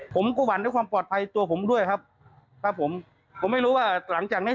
ผมก็หวั่นด้วยความปลอดภัยตัวผมด้วยครับครับผมผมไม่รู้ว่าหลังจากเนี้ย